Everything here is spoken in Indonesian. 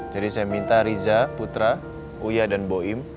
jadi saya minta riza putra uya dan boim